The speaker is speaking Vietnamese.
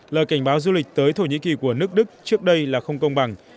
lời cảnh báo du lịch tới thổ nhĩ kỳ của nước đức trước đây là không công bằng